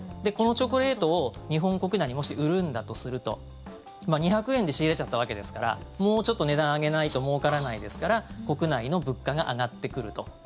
このチョコレートを日本国内にもし売るんだとすると２００円で仕入れちゃったわけですからもうちょっと値段上げないともうからないですから国内の物価が上がってくると。